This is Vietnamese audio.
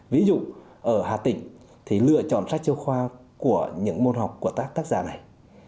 ví dụ ở hà tĩnh lựa chọn sách giáo khoa của những môn học của tác giả này